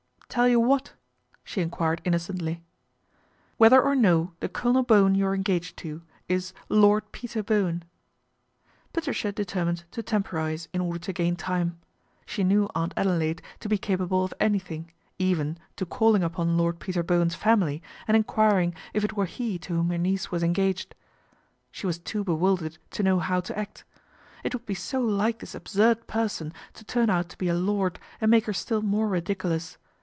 ' Tell you what ?" she enquired innocently. ' Whether or no the Colonel Bowen you are engaged to is Lord Peter Bowen." Patricia determined to temporise in order to gain time. She knew Aunt Adelaide to be capable of anything, even to calling upon Lord Peter Bowen's family and enquiring if it were he to whom her niece was engaged. She was too bewildered to know how to act. It would be so like this absurd person to turn out to be a lord and make her still more ridiculous.